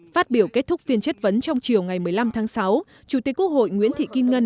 phát biểu kết thúc phiên chất vấn trong chiều ngày một mươi năm tháng sáu chủ tịch quốc hội nguyễn thị kim ngân